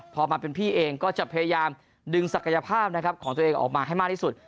พอมาเป็นพี่เองก็จะพยายามดึงศักยภาพนะครับของตัวเองออกมาให้มากที่สุด